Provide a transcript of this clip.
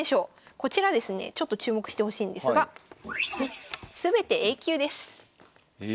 こちらですねちょっと注目してほしいんですがすべてＡ級です。え！